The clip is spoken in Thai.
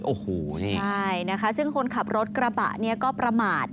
โอ้โหใช่นะคะซึ่งคนขับรถกระบะเนี่ยก็ประมาท